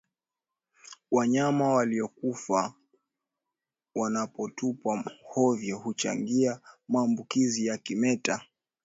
Wanyama waliokufa wanapotupwa hovyo huchangia maambukizi ya kimeta